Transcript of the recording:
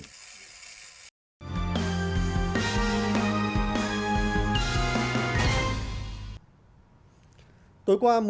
điện lưới tại quảng bình